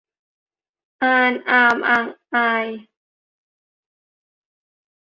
อาน อาม อาง อาย